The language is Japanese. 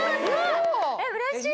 うれしい！